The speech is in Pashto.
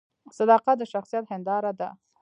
صداقت د شخصیت هنداره ده